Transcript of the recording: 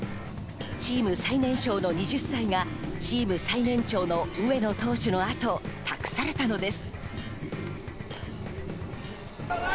チーム最年少の２０歳が、チーム最年長の上野投手の後を託されたのです。